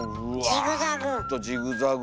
ジグザグ！